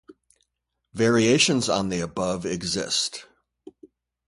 Variations on the above exist.